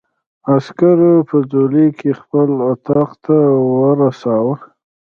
عسکرو په ځولۍ کې خپل اتاق ته ورساوه.